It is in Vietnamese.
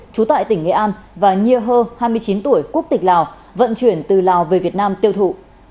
trú tại tỉnh nghệ an và nhiê hai mươi chín tuổi quốc tịch lào vận chuyển từ lào về việt nam tiêu thụ